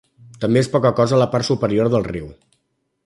També és poca cosa la part superior del riu.